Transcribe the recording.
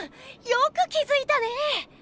よく気づいたね。